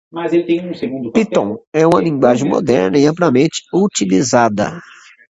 Python é uma linguagem moderna e amplamente utilizada